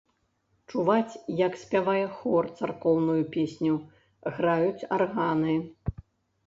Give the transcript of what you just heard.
Чуваць, як спявае хор царкоўную песню, граюць арганы.